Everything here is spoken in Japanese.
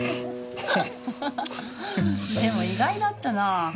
でも意外だったなぁ。